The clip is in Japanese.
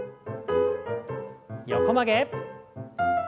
横曲げ。